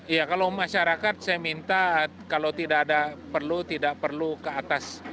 iya kalau masyarakat saya minta kalau tidak ada perlu tidak perlu ke atas